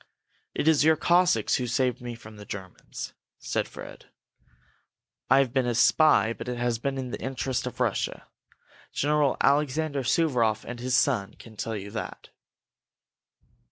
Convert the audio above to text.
"It is your Cossacks who saved me from the Germans," said Fred. "I have been a spy but it has been in the interest of Russia. General Alexander Suvaroff and his son can tell you that."